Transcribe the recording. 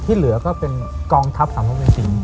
ที่เหลือก็เป็นกองทัพสำคัญจริง